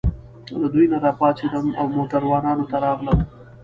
له دوی نه راپاڅېدم او موټروانانو ته راغلم.